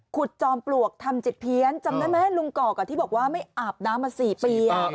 จอมปลวกทำจิตเพี้ยนจำได้ไหมลุงกอกที่บอกว่าไม่อาบน้ำมา๔ปี